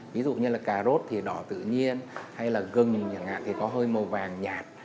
ví dụ như là cà rốt thì đỏ tự nhiên hay là gừng thì có hơi màu vàng nhạt